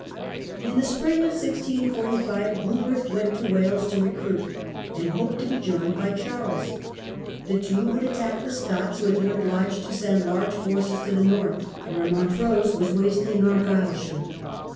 In the spring of 1645 Rupert went to Wales to recruit, and hoped to be joined by Charles. The two would attack the Scots, who had been obliged to The king's send large forces to the North, where Mon pi»° trose was wasting Argyleshire.